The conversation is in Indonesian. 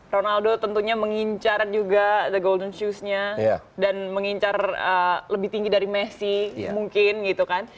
ronaldo tentunya mengincar juga the golden shoes nya dan mengincar lebih tinggi dari messi mungkin gitu kan